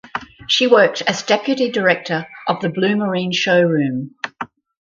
She worked as deputy director of the Blumarine showroom.